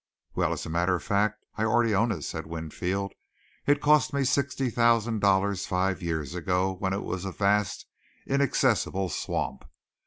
"Well, as a matter of fact, I already own it," said Winfield. "It cost me sixty thousand dollars five years ago when it was a vast, inaccessible swamp.